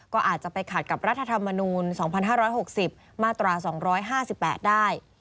ก็อาจจะไปขัดกับรัฐธรรมนูล๒๕๖๐มาตรา๒๕๘ได้